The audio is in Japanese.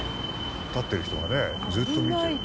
立ってる人がねずっと見てる。